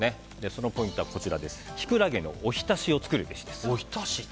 そのポイントはキクラゲのおひたしを作るべし。